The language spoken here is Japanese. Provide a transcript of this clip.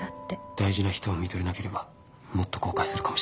大事な人をみとれなければもっと後悔するかもしれない。